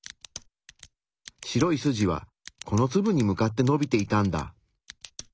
白い筋はこのツブに向かってのびていたんだ。